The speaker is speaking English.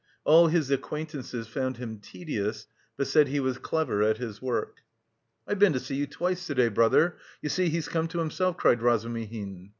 All his acquaintances found him tedious, but said he was clever at his work. "I've been to you twice to day, brother. You see, he's come to himself," cried Razumihin.